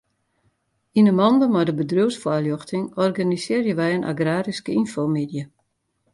Yn 'e mande mei de bedriuwsfoarljochting organisearje wy in agraryske ynfomiddei.